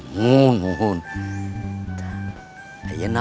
tunggu sebentar ya pak